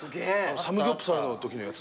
サムギョプサルのときのやつだ。